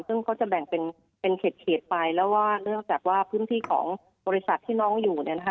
ซึ่งเขาจะแบ่งเป็นเป็นเขตไปแล้วว่าเนื่องจากว่าพื้นที่ของบริษัทที่น้องอยู่เนี่ยนะคะ